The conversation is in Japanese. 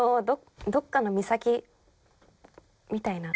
どっかの岬みたいな。